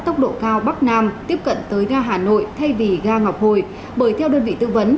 tốc độ cao bắc nam tiếp cận tới ga hà nội thay vì ga ngọc hồi bởi theo đơn vị tư vấn